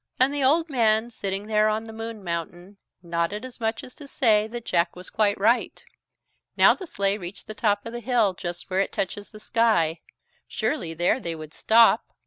And the old man, sitting there on the moon mountain, nodded as much as to say that Jack was quite right. Now the sleigh reached the top of the hill just where it touches the sky. Surely there they would stop.